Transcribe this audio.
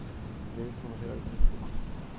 debes conocer algunos trucos